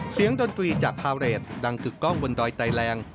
เสียงดนตรีจากภาวเรศดังกึกกล้องบนดอยไตรแหลง